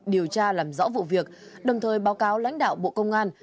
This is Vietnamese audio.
điều tra làm rõ vụ việc đồng thời báo cáo lãnh đạo bộ công an